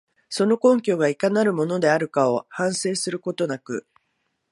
その根拠がいかなるものであるかを反省することなく、